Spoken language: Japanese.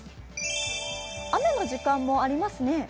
雨の時間もありますね。